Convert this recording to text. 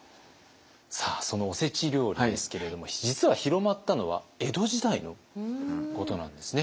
さあそのおせち料理ですけれども実は広まったのは江戸時代のことなんですね。